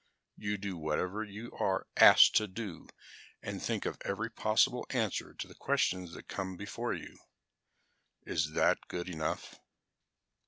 You do whatever you are asked to do and think of every possible answer to the questions that come before you. Is that good enough?"